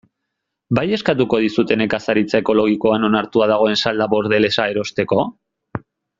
Bai eskatuko dizute nekazaritza ekologikoan onartuta dagoen salda bordelesa erosteko?